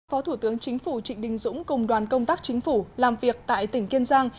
phó thủ tướng chính phủ trịnh đình dũng cùng đoàn công tác chính phủ làm việc tại tỉnh kiên giang